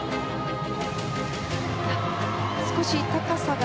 少し高さが。